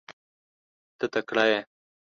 ته تکړه یې .